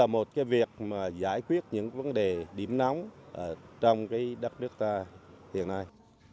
một việc giải quyết những vấn đề điểm nóng trong đất nước hiện nay